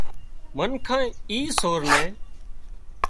منکانئي اي سور نين